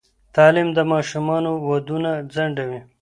تعلیم د ماشومانو ودونه ځنډوي.